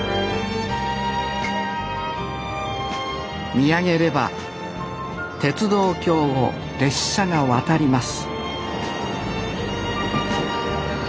見上げれば鉄道橋を列車が渡ります